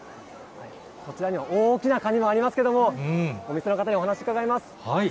こちらには大きなカニもありますけれども、お店の方にお話伺います。